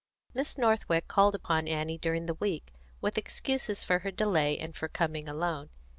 Miss Northwick called upon Annie during the week, with excuses for her delay and for coming alone.